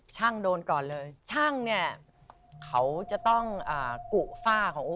ช่างโดนก่อนเลยช่างเนี่ยเขาจะต้องกุฝ้าของโอ